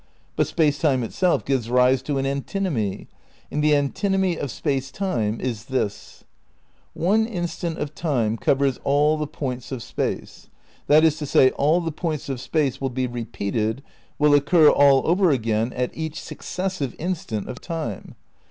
But Space Time itself gives rise to an antinomy. And the antinomy of Space Time is this: One instant of Time covers all the points of Space. That is to say, all the points of Space will be repeated, will occur all over again at each successive instant of Time.